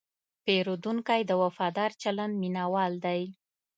پیرودونکی د وفادار چلند مینهوال دی.